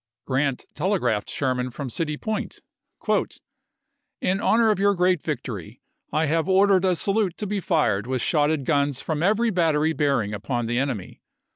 Grant telegraphed Sherman from City Point, " In honor of your great victory, I have ordered a salute to be fired with shotted guns from every battery bearing upon the enemy.